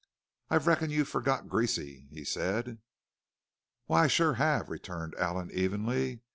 "I reckon you've forgot Greasy," he said. "Why, I sure have!" returned Allen evenly.